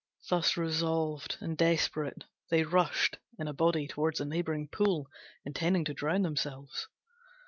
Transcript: Thus resolved and desperate, they rushed in a body towards a neighbouring pool, intending to drown themselves.